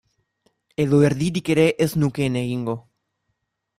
Edo erdirik ere ez nukeen egingo.